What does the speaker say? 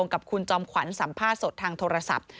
กับคุณจอมขวัญสัมภาษณ์สดทางโทรศัพท์